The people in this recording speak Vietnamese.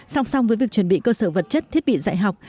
song song với việc chuẩn bị cơ sở vật chất thiết bị dạy học